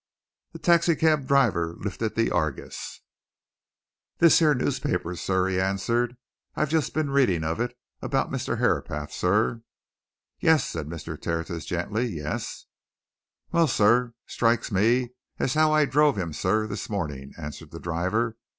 The taxi cab driver lifted the Argus. "This here newspaper, sir," he answered. "I've just been reading of it about Mr. Herapath, sir." "Yes," said Mr. Tertius gently. "Yes?" "Well, sir strikes me as how I drove him, sir, this morning," answered the driver.